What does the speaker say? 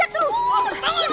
ayo kalau gak berani fight